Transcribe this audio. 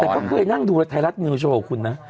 ก็เคยนั่งดูไทรัสนุชท์โชว์ของคุณนะ